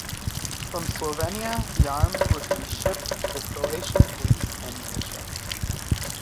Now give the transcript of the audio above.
From Slovenia the arms were to be shipped to the Croatian police and militia.